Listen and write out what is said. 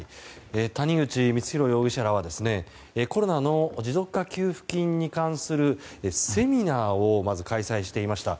谷口光弘容疑者らはコロナの持続化給付金に関するセミナーをまず開催していました。